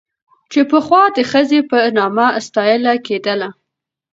چې پخوا د ښځې په نامه ستايله کېدله